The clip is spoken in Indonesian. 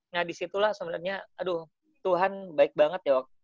nah disitulah sebenarnya aduh tuhan baik banget ya waktu